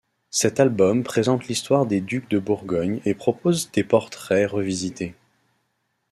Cet album présente l’histoire des Ducs de Bourgogne et propose des portraits revisités.